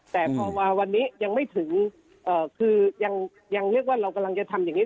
แต่พอมาวันนี้ยังไม่ถึงคือยังเรียกว่าเรากำลังจะทำอย่างนี้